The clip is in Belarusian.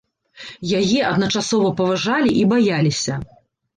Яе адначасова паважалі і баяліся.